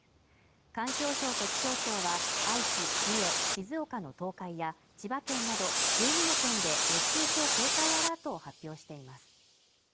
環境省と気象庁は、愛知、三重、静岡の東海や千葉県など１２の県で熱中症警戒アラートを発表しています